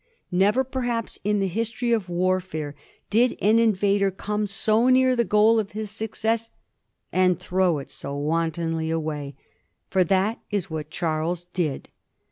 Never perhaps in the history of war fare did an invader come so near the goal of his success and tbrow it so wantonly away ; for that is what Charles did.